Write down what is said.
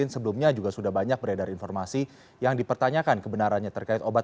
sebelumnya juga sudah banyak beredar informasi yang dipertanyakan kebenarannya terkait obat